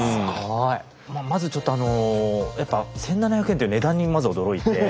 まずちょっとあのやっぱ１，７００円という値段に驚いて。